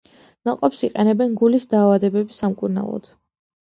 ნაყოფს იყენებენ გულის დაავადებების სამკურნალოდ.